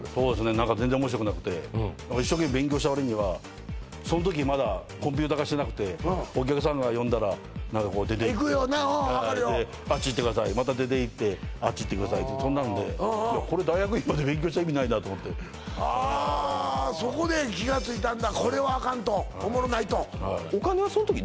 何か全然面白くなくて一生懸命勉強したわりにはその時まだコンピューター化してなくてお客さんが呼んだら出ていく行くよな分かるよ「あっち行ってください」また出ていって「あっち行ってください」ってそんなんでこれ大学院まで勉強した意味ないなと思ってああそこで気がついたんだ